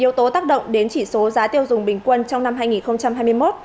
yếu tố tác động đến chỉ số giá tiêu dùng bình quân trong năm hai nghìn hai mươi một